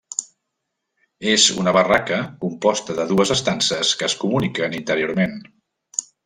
És una barraca composta de dues estances que es comuniquen interiorment.